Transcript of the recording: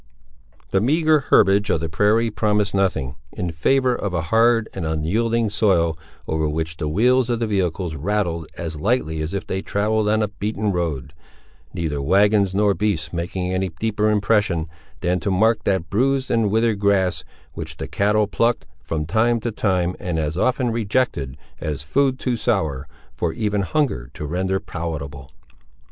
The meagre herbage of the prairie, promised nothing, in favour of a hard and unyielding soil, over which the wheels of the vehicles rattled as lightly as if they travelled on a beaten road; neither wagons nor beasts making any deeper impression, than to mark that bruised and withered grass, which the cattle plucked, from time to time, and as often rejected, as food too sour, for even hunger to render palatable.